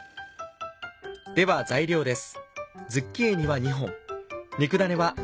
では材料です。